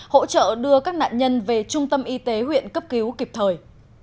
hỗ trợ đưa các nạn nhân về trung tâm y tế huyện cấp cứu kịp thời